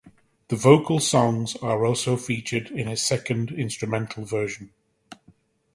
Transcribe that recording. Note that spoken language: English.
The vocal songs are also featured in a second, instrumental version.